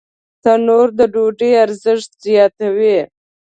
تنور د ډوډۍ ارزښت زیاتوي